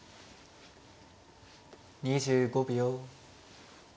２５秒。